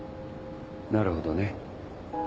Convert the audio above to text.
なるほどね。